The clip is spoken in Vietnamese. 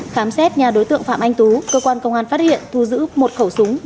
khám xét nhà đối tượng phạm anh tú cơ quan công an phát hiện thu giữ một khẩu súng